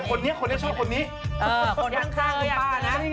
คนนี้คนนี้ชอบคนนี้